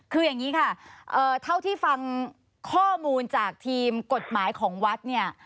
คืออย่างนี้ค่ะเท่าที่ฟังข้อมูลจากทีมกฎหมายของวัดเนี่ย